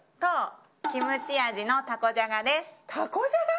キムチ味のたこじゃがです。